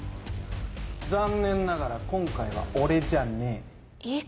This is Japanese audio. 残念ながら今回は俺じゃねえ。